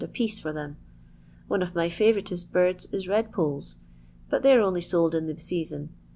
a piece for One of my fiivouritost birds is redpoles, lay 're only sold in the season.